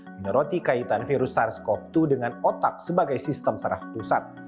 menyoroti kaitan virus sars cov dua dengan otak sebagai sistem serah pusat